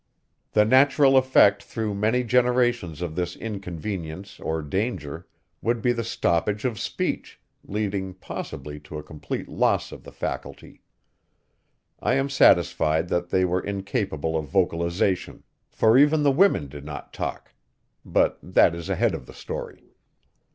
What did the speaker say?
The natural effect through many generations of this inconvenience or danger would be the stoppage of speech, leading possibly to a complete loss of the faculty. I am satisfied that they were incapable of vocalization, for even the women did not talk! But that is ahead of the story.